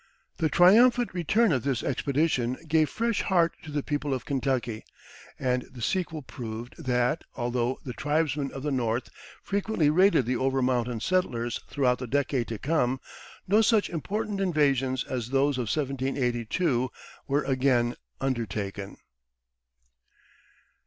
The triumphant return of this expedition gave fresh heart to the people of Kentucky; and the sequel proved that, although the tribesmen of the north frequently raided the over mountain settlers throughout the decade to come, no such important invasions as those of 1782 were again undertaken.